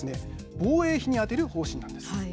防衛費に充てる方針なんです。